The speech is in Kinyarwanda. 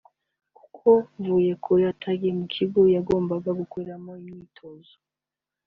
Kuko Mvuyekure atagiye mu kigo yagombaga gukoreramo imyitozo